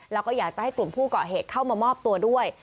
แล้วก็อยากจะให้กลุ่มผู้เกาะเหตุเข้ามามอบตัวด้วย